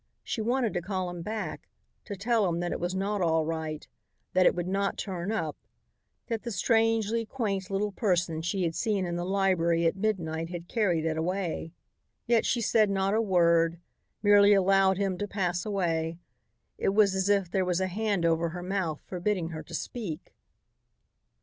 She wanted to call him back, to tell him that it was not all right, that it would not turn up, that the strangely quaint little person she had seen in the library at midnight had carried it away. Yet she said not a word; merely allowed him to pass away. It was as if there was a hand over her mouth forbidding her to speak.